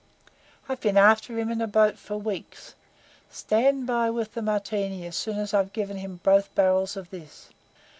I've been after him in a boat for weeks. Stand by with the Martini as soon as I've given him both barrels of this."